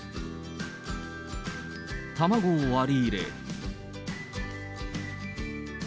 卵を割り入れ。